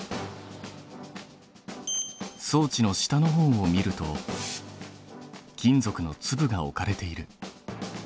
装置の下のほうを見ると金属の粒が置かれている。